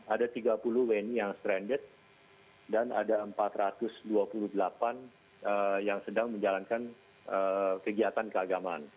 ada tiga puluh wni yang stranded dan ada empat ratus dua puluh delapan yang sedang menjalankan kegiatan keagamaan